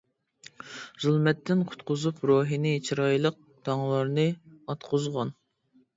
زۇلمەتتىن قۇتقۇزۇپ روھىنى چىرايلىق تاڭلارنى ئاتقۇزغان.